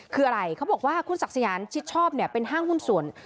คืออะไรเขาบอกว่าคุณศักดิ์สยานชิดชอบเนี่ยเป็นห้างหุ้นส่วน